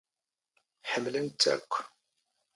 ⵃⵎⵍⵏ ⵜⵜ ⴰⴽⴽⵯ.